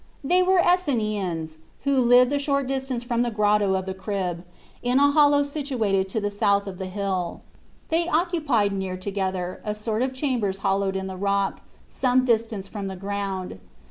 They were Esseniens, who lived a short distance from the Grotto of the Crib, in a hollow situated to the south of the hill. They occupied near together a sort of chambers hollowed in the rock, some distance from the ground.